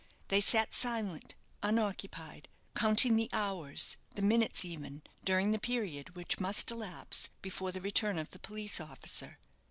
They sat silent, unoccupied, counting the hours the minutes even during the period which must elapse before the return of the police officer.